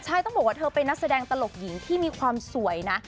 ใช่ต้องบอกว่าเธอเป็นนักแสดงตลกหญิงที่มีความสวยนะ